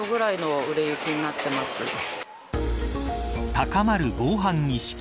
高まる防犯意識。